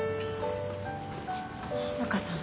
静さん。